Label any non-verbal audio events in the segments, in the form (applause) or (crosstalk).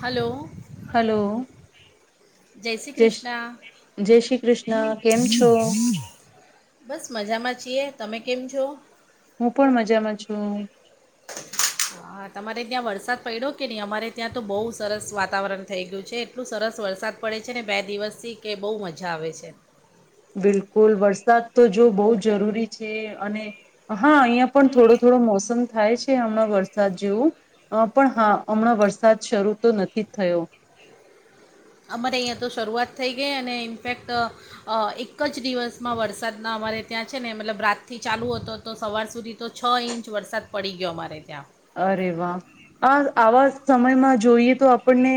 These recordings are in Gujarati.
હલો. હલો. જય શ્રી કૃષ્ણ જય શ્રી કૃષ્ણ કેમ છો. બસ મજામાં છીએ તમે કેમ છો. હું પણ મજામાં છું. હા તમારે ત્યાં વરસાદ પડ્યો કે નહીં અમારે ત્યાં તો બહુ સરસ વાતાવરણ થઈ ગયું છે. એટલું સરસ વરસાદ પડે છે ને બે દિવસથી કે બહુ મજા આવે છે. બિલકુલ વરસાદ તો જો બહુ જરૂરી છે અને હા અહિયાં પણ થોડો થોડો મોસમ થાય છે હમણાં વરસાદ જેવું. અ પણ હા હમણાં વરસાદ શરૂ તો નથી જ થયો. અમારે અહીંયા તો શરૂઆત થઈ ગઈ અને ઇનફેક્ટ અ એક જ દિવસમાં વરસાદના અમારે ત્યાં છે ને, મતલબ રાતથી ચાલુ હતો તો, સવાર સુધી. તો છ ઇંચ વરસાદ પડી ગયો, મારે ત્યાં. અરે વાહ, આ આવા સમયમાં જોઈએ તો, આપણને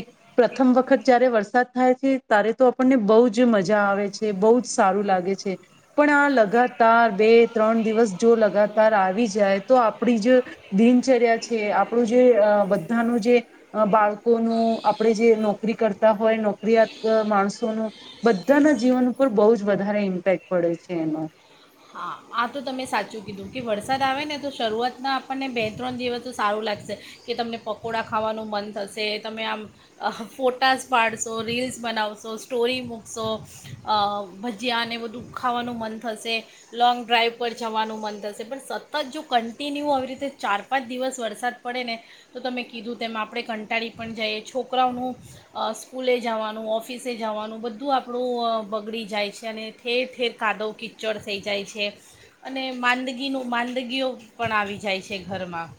એક પ્રથમ વખત જયારે વરસાદ થાય છે, ત્યારે તો આપણને બહુ જ મજા આવે છે. બહુ જ સારું લાગે છે. પણ આ લગાતાર બે-ત્રણ દિવસ જો લગાતાર આવી જાય, તો આપડી જ દિનચર્યા છે, આપણું જે બધાનું જે અ બાળકોનું આપણે જે નોકરી કરતા હોય, નોકરીયાત માણસોનું બધાના જીવન ઉપર બહુ જ વધારે ઇમ્પેક્ટ પડે છે એનો. હા આ તો તમે સાચું કીધું કે, વરસાદ આવે ને, તો શરૂઆતમાં આપણને બે-ત્રણ દિવસ તો સારું લાગશે. કે તમને પકોડા ખાવાનું મન થશે, તમે આમ ફોટાઝ પાડશે, રીલ્સ બનાવશો, સ્ટોરી મૂકશો. ભજીયાને, બધું ખાવાનું મન થશે લોંગ. ડ્રાઈવ પર જવાનું મન થશે, પણ સતત જો કન્ટિન્યુ આવી, રીતે ચાર-પાંચ દિવસ વરસાદ પડે ને. તો તમે કીધું, તેમાં આપણે કંટાળી પણ જઈએ, છોકરાઓનું. સ્કૂલે જવાનું, ઓફિસે જવાનું બધું આપણું બગડી જાય છે, અને ફેર ફેર કાદવ કચડ સહી જાય છે. અને માંદગીનું માંદગીઓ પણ આવી જાય છે ઘરમાં.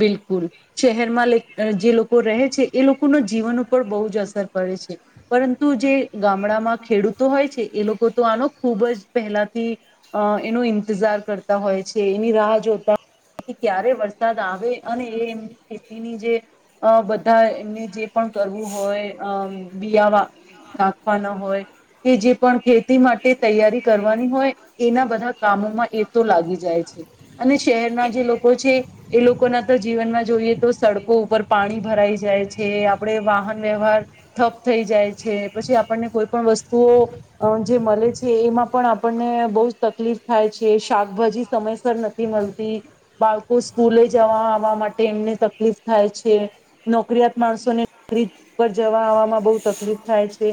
બિલકુલ. શહેરમાં જે લોકો રહે છે, એ લોકોના જીવન ઉપર બહુ જ અસર પડે છે. પરંતુ જે ગામડામાં ખેડૂતો હોય છે, એ લોકો તો આનો ખૂબ જ પહેલાથી. અ એનો ઇંતજાર કરતા હોય છે, એની રાહ જોતા હોય, ક્યારે વર વરસાદ આવે, અને એમની ખેતીની જે અ બધા એમની જે પણ કરવું હોય, અ બીયા નાખવાના હોય. કે જે પણ ખેતી માટે તૈયારી કરવાની હોય. એના બધા કામોમાં એ તો લાગી જાય છે, અને શહેરના કે જે લોકો છે. એ લોકોના તો જીવનમાં જોઈએ તો સડકો ઉપર પાણી ભરાઈ જાય છે, આપડે વાહન વ્યવહાર થઠપ થઈ જાય છે, પછી આપણને કોઈ પણ વસ્તુઓ અ જે મળે છે, એમાં પણ આપણને બહુ જ તકલીફ થાય છે, શાકભાજી સમયસર નથી મળતી, બાળકો સ્કૂલે જવા આવવા માટે, એમને તકલીફ થાય છે. નોકરીયાત માણસોને નોકરી પર જવા-આવવામાં, બહુ તકલીફ થાય છે,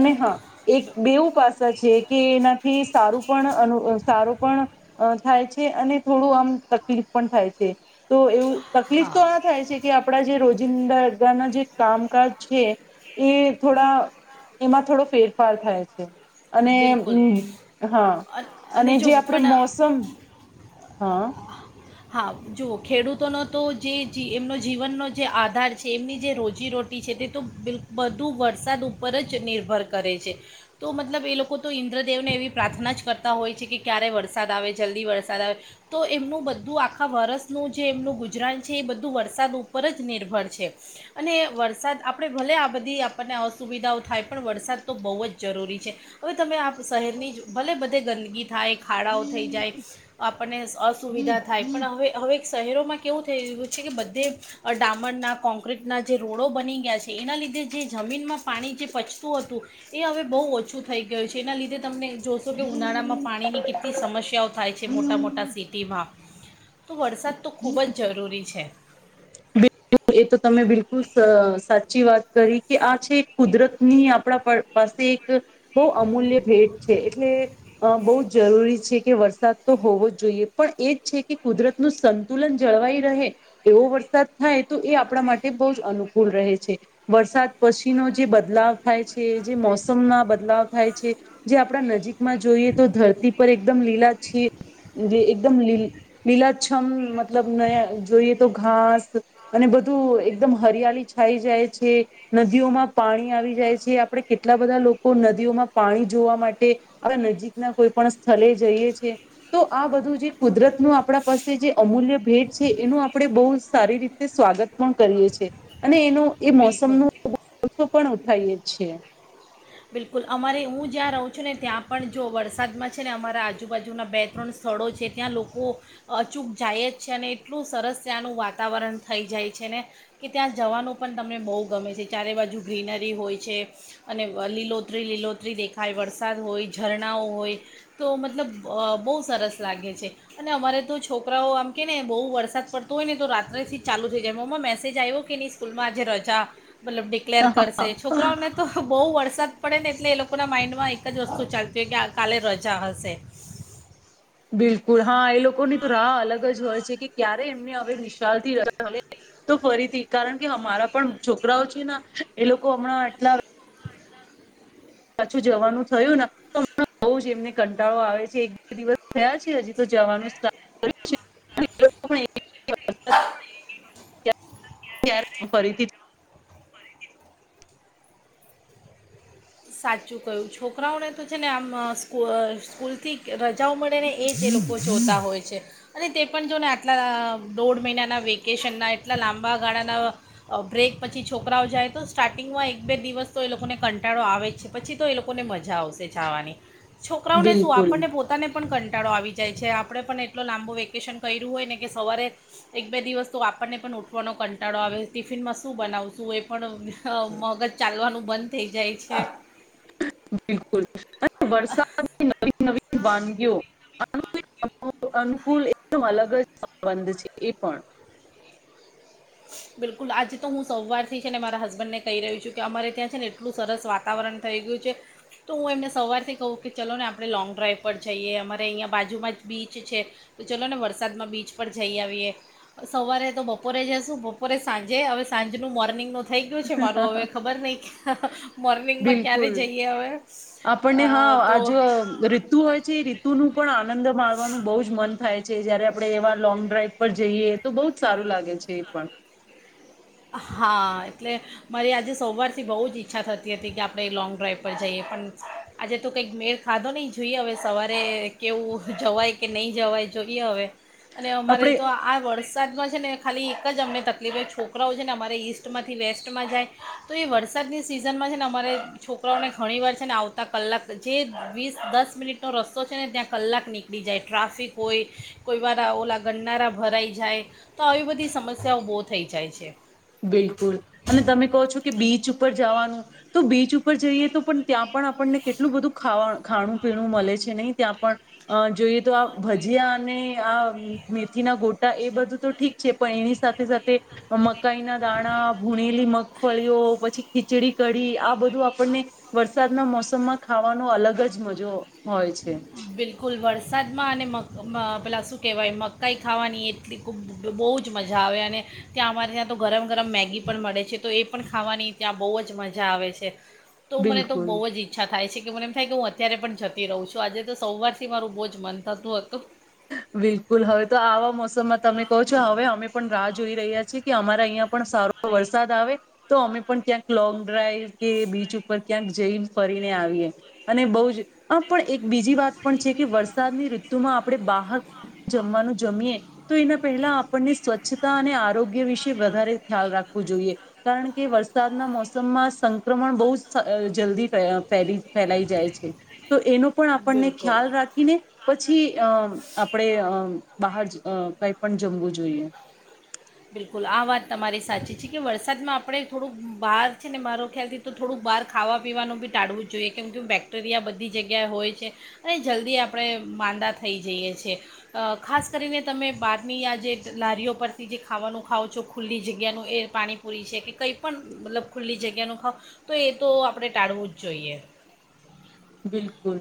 અને હા. એક બેવું પાસા છે કે, એનાથી સારું પણ, સારું પણ. અ થાય છે, અને થોડું આમ તકલીફ પણ થાય છે. તો એવું તકલીફ તો હા આ થાય છે કે, આપડા જે રોજિંદા ના જે કામકાજ છે. એ થોડા, એમાં થોડો ફેરફાર થાય છે. અને બિલકુલ હમ, હા, અ- અને જો જે આપણે પણ મોસમ હા. હા, જુઓ ખેડૂતોનો તો જે એમનો જીવનનો જે આધાર છે, એમની જે રોજીરોટી છે, તે તો બલ બધુ વરસાદ ઉપર જ નિર્ભર કરે છે. તો મતલબ એ લોકો તો ઇન્દ્રદેવને એવી પ્રાર્થના જ કરતા હોય છે કે, ક્યારે વરસાદ આવે, જલ્દી વરસાદ આવે. તો એમનું બંધ. બધું આખા વરસનું જે એમનું ગુજરાન છે, એ બધું વરસાદ ઉપર જ નિર્ભર છે. અને વરસાદ આપણે ભલે, આ બધી આપણને અસુવિધાઓ થાય, પણ વરસાદ તો બહુ જ જરૂરી છે. હવે તમે. શહેરની જ ભલે બધે ગંદગી થાય, ખાડાઓ થઈ જાય, આપણને અસુવિધા. થાય પણ હવે હવે શહેરોમાં કેવું થઈ રહ્યું છે કે બધે ડામરના કોંક્રીટના જે રોડો બની ગયા છે એના લીધે જે જમીનમાં પાણી જે પચતું હતું એ હવે બહુ ઓછું થઈ ગયું છે એના લીધે તમને જો તોકે ઉનાળામાં પાણીની કેટલી સમસ્યાઓ થાય છે મોટા મોટા સિટીમાં તો વરસાદ તો ખૂબ જ જરૂરી છે એ તો તમે બિલકુલ સ સાચી વાત કરી કે આ છે કુદરત ની આપદા પર પાસે એક બહુ અમૂલ્ય ભેટ છે એટલે અ બહુ જરૂરી છે કે વરસાદ તો હોવો જ જોઈએ પણ એજ છે કે કુદરત નું સંતુલન જળવાઈ રહે એવો વરસાદ થાય તો એ આપણા માટે બહુ જ અનુકૂળ રહે છે વરસાદ પછીનો જે બદલાવ થાય છે જે મોસમ ના બદલાવ થાય છે જે આપણા નજીકમાં જોઈએ તો ધરતી પર એકદમ લીલા જી જે એકદમ લી લીલાછમ મતલબ ન જોઈએ તો ઘાસ અને બધું એકદમ હરિયાળી જાયી જાય છે નદીઓમાં પાણી આવી જાય છે આપડણે કેટલા બધા લોકો નદીઓમાં પાણી જોવા માટે હવે નજીકના કોઈ પણ સ્થળ જઈએ છે તો આ બધું જે કુદરતનું આપણા પાસે જે અમૂલ્ય ભેટ છે એનું આપણે બહુ સારી રીતે સ્વાગત પણ કરીએ જીયે છે અને એનું એ બિલકુલ મોસમનો (unintelligible) પણ ઉઠાઈએ છે બિલકુલ અમારે હું જ્યાં રહું છું ને ત્યાં પણ જો વરસાદમાં છે ને અમારા આજુબાજુના બે ત્રણ સ્થળો છે ત્યાં લોકો અચૂક જાય જ છે અને એટલું સરસ ત્યાંનું વાતાવરણ થઈ જાય છે ને કે ત્યાં જવાનું પણ તમને બોહ ગમે છે ચારે બાજુ ગ્રીનરી હોય છે અને લીલોતરી લીલોતરી દેખાય વરસાદ હોય ઝરણાઓ હોય તો મતલબ બહુ સરસ લાગે છે અને અમારે તો છોકરાઓ આમ કે ને બહુ વરસાદ પડતો હોય ને તો રાત્રેથી જ ચાલુ થઈ જાય મમ્મા મેસેજ આવ્યો કે ની સ્કૂલમાં આજે રજા મતલબ ડિક્લેર કરશે છોકરાઓને તો બહુ વર્ વરસાદ પડે ને એટલે એ લોકોના માઇન્ડમાં એક જ વસ્તુ ચાલતી હોય કે આ કાલે રજા હશે બિલકુલ હા એ લોકોની તો રાહ અલગ જ હોય છે કે ક્યારે એમને હવે નિશાલ થી રજા મળે તો ફરીથી કારણ કે હમારા પણ છોકરાઓ છે ના એ લોકો હમણાં એટલા પાછું જવાનું થયું ને તો બઉ જ એમને કંટાળો આવે છે એક બે દિવસ થયા છે હજી તો જવાનું સ્ટાર્ટ કર્યું છે (inaudible) ફરીથી સાચું કહ્યુ છોકરાઓને તો છે ને આમ અ સ્કુલ સ્કૂલ થી રજાઓ મળે ને એજ એ લોકોને જોતા હોય છે અને તે પણ જો ને આટલા દોઢ મહિનાના વેકેશનના એટલા લાંબા ગાળાના બ્રેક પછી છોકરાઓ જાય તો સ્ટાર્ટિંગમાં એક બે દિવસ તો એ લોકોને કંટાળો આવે જ પછી તો એ લોકોને મજા આવશે જાવાની છોકરાઓને શું બિલકુલ આપણને પો પોતાને પણ કંટાળો આવી જાય છે આપણે પણ એટલો લાંબો વેકેશન કર્યું હોય ને કે સવારે એક બે દિવસ તો આપણને પણ ઊઠવાનો કંટાળો આવે ટિફિનમાં શું બનાવશું એ પણ અ મગજ ચાલવાનું બંધ થઇ જાય છે બિલકુલ અને વરસાદની નવી નવી વાનગીઓ અનુકૂલ એકદમ અલગ જ સંબંધ છે એ પણ બિલકુલ આજે તો હું સવારથી છે ને મારા હસબન્ડને કહી રહ્યું છું કે અમારે ત્યાં છે ને એટલું સરસ વાતાવરણ થઈ ગયું છે તો ઉં એમને સવારથી કહું કે, ચલો ને આપણે લોંગ ડ્રાઈવ પર જઈએ. અમારે અઈંયા બાજુમાં જ બીચ છે. તો ચલો ને વરસાદમાં બીચ પર જઈ આવીએ, સવારે તો બપોરે જાશું બપ પોરે સાંજે, અવે સાંજ નું મોરનિંગનુ થ થઈ ગીયુ છે મારુ અવે ખબર નઈ, મોરનિંગમાં ક્યારે બિલકુલ જઈએ અવે? અ તો તુ હવે જે એ રીતુ નું પણ આનંદ માણવાનું બઉ જ મન થાય છે. જયારે આપડણે એવા લોંગ ડ્રાઈવ પર જઈએ. તો બોઉ જ સારુ લાગે છે, એ પણ. હા એટલે મારી આજે સૌ વારથી બઉ જ ઈચ્છા થતી હતી, કે આપણે લોંગ ડ્રાઈવ પર જઈએ પણ આજે તો કઇક મેળ ખાધો નઈ જોઈએ અવે, સવારે કેવું જવાય કે નઈ જવાય જોઈએ અવે. અને અમારે આપણે તો આ વરસાદમાં છે ને ખાલી એક જ અમને તકલીફે છો કરાઓ છે ને અમારે ઈસ્ટમાંથી વેસ્ટમાં જાય, તો એ વરસાદની સિઝનમાં છે ને અમારે છોકરાઓને ઘણી વાર છે ને આવતા કલાક જે વીસ દસ મિનિટનો રસ્તો છે ને ત્યાં કલાક નીક ળી જાય. ટ્રાફિક હોય કોઈવારા ઓલા ગંનારા ભરાઈ જાય. તો આવી બધી સમસ્યાઓ બો થઈ જાય છે. બિલકુલ અને તમે કઓ છો કે બીચ ઉપર જવાનું. તો બીચ ઉપર જઈએ, તો પણ ત્યાં પણ આપણને કેટલું બધુ ખાવાણ ખાણું-પીણું મળે છે ને ત્યાં પણ. અ જોઈએ તો આ ભજીયા અને આ મેથીના ગોટા એ બધું તો ઠીક છે, પણ એની સાથે સાથે મકાઈના દાણા ભૂણેલી મગ ફળીઓ પછી ખીચડી-કઢી આ બધું આપણને વરસાદના મોસમમા ખાવાનો અલગ જ મજો હોય છે. બિલકુલ વરસાદમાં અને મગ મ પેલાં શું કેવાય મકાઈ ખાવાની એટલી તો બોઉ જ મજા આવે અને ત્યાં અમારે ત્યાં તો ગરમ ગરમ મેગી પણ મળે છે, તો એ પણ ખાવાની ત્યાં બોવ જ મજા આવે છે. તો મને તો બિલકુલ બોવ જ ઈચ્છા થાય છે, કે મને એમ થાય કે હું અત્યારે પણ જતી રઉ છુ. આજે તો સૌ વારથી મારું બોજ મન થતું હતું. બિલકુલ. હવે તો આવા મોસમમા તમે કઓ છો અવે અમે પણ રાહ જોઈ રહ્યા છે, કે અમારા અઈંયા પણ સા રો વરસાદ આવે. તો અમે પણ ક્યાંક લોંગ ડ્રાઈવ કે બીચ ઉપર ક્યાંક જઈન ફરીને આવીએ. અને બઉ જ આંમ પણ એક બીજી વાત પણ છે, કે વરસાદની ઋતુમાં આપણે બાહા જમવાનું જમીએ તો એના પહેલા આપણને સ્વચ્છતા અને આરોગ્ય વિશે વધારે ખ્યાલ રાખવો જોઈએ. કારણ કે વરસાદના મોસમમાં સંક્રમણ બોઉ જ સ જલ્દી ફેઅ ફેલી ફેલાઈ જાય છે. તો એનુ પણ આપણને બિલકુલ ખ્યાલ રાખીને, પછી અ આપડે અ બાહાર જ અ કઈ પણ જમવું જોઈએ. બિલકુલ આ વાત તમારી સાચી છે, કે વરસાદમાં આપણે થોડુંક બાર છે ને મારો ખ્યાલથી તો થોડુંક બાર ખાવા પીવાનું બી ટાળવું જ જોઈએ, કેમ કે બેક્ટેરિયા બધી જગ્યાએ હોય છે. અળે જલ્દી આપડણે માંદા થઈ જઈએ છે. અ ખાસ કરીને તમે બારની આ જે લારીઓ પરથી જે ખાવાનું ખાવ છો, ખુલ્લી જગ્યાનું એ પાણીપુરી છે કે કંઈ પણ મતલબ ખુલ્લી જગ્યાનું ખવ તો એ તો આપણે ટાળવું જ જોઈએ. બિલકુલ,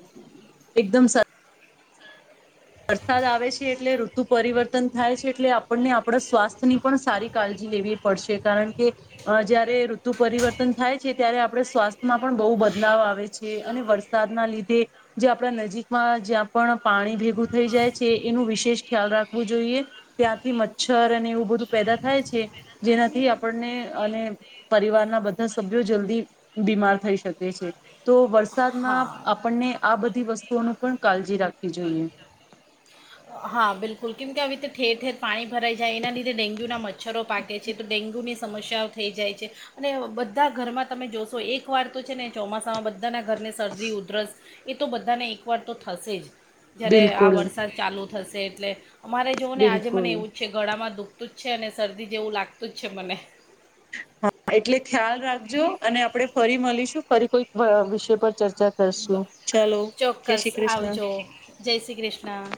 એકદમ સા વરસાદ આવે છે એટલે ઋતુ પરિવર્તન થાય છે એટલે આપણને આપણા સ્વાસ્થ્યની પણ સારી કાલજી લેવી પડશે. કારણ કે જયારે ઋતુ પરિવર્તન થાય છે, ત્યારે આપડણે સ્વા માં પણ બોઉ બદલાવ આવે છ. અને વરસાદના લીધે, જે આપડા નજીકમાં જ્યાં પણ પાણી ભેગું. થઈ જાય છે, એનું વિશેષ ખ્યાલ રાખવું જોઇએ, ત્યાંથી મચ્છર અને એવું બધું પેદા થાય છે. જેનાથી આપણને અને પરિવારના બધા સભ્યો જલ્દી બીમાર થઈ શકે છે. તો વરસાદમાં હા આપણને આ બધી વસ્તુઓનું પણ કાળજી રાખવી જોઈએ. હા, બિલકુલ કેમ કે આવી. પાણી ભરાઈ જાય, એના લીધે ડેન્ગ્યુના મચ્છરો પાકે છે, તો ડેન્ગ્યુની સમસ્યાઓ થઈ જાય છે, અને બધા ઘરમાં તમે જોશો એક વાર તો છે ને. ચોમાસામાં બધાના ઘરમાં શરદી, ઉધરસ એ તો બધાને એક વાર તો થશે જ. જયારે આ બિલકુલ વરસાદ ચાલુ થશે, એટલે અમારે જોવું ને આજે બિલકુલ મને એવું. છે. ગળામાં દુઃખતું જ છે, અને શરદી જેવું લાગતું જ છે, મને. હા, એટલે ખ્યાલ રાખજો, અને આપણે ફરી મળીશું ફરી, કોઈક વિષ પર ચર્ચા. કરશું ચાલો જય ચોક્કસ શ્રી કૃષ્ણ આવજો, જય શ્રી કૃષ્ણ.